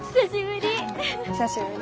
久しぶり！